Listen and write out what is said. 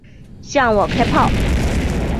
向我开炮！